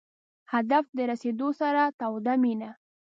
هدف ته د رسېدو سره توده مینه.